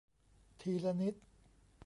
ทีละนิด